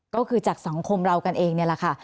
ก็คือจากสังคมเรากันเองนี่แหละค่ะ